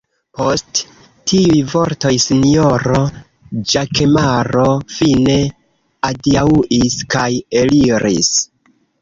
Post tiuj vortoj sinjoro Ĵakemaro fine adiaŭis kaj eliris.